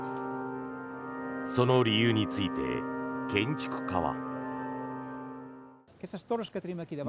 その理由について建築家は。